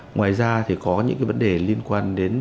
ngoài ra thì có những cái vấn đề liên quan đến